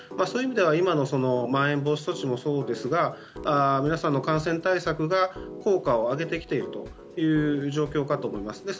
そういう意味では今のまん延防止措置もそうですが皆さんの感染対策が効果を上げてきているという状況かと思います。